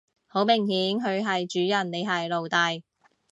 好明顯佢係主人你係奴隸